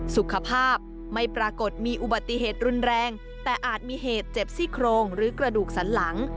สุขภาพไม่ปรากฏมีอุบัติเหตุรุนแรงแต่อาจมีเหตุเจ็บซี่โครงหรือกระดูกสันหลัง